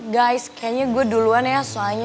guys kayaknya gue duluan ya soalnya